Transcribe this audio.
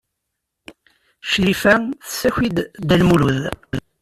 Crifa tessaki-d Dda Lmulud.